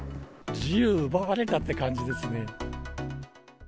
自由を奪われたって感じです